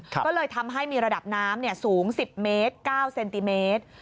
ก็เลยทำให้มีระดับน้ำสูง๑๐เมตร๙เซนติเมตร